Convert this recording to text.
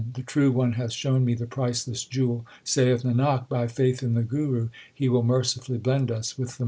The true one hath shown me the priceless jewel. Saith Nanak, by faith in the Guru He will mercifully blend us with the Merchant.